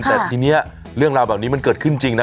แต่ทีนี้เรื่องราวแบบนี้มันเกิดขึ้นจริงนะ